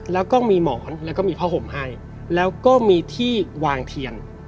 แล้วก็มีหมอนแล้วก็มีผ้าห่มให้แล้วก็มีที่วางเทียน